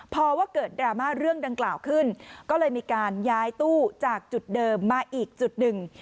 พอว่าเกิดดราม่าเรื่องดังกล่าวขึ้นก็เลยมีการย้ายตู้จากจุดเดิมมาอีกจุดหนึ่ง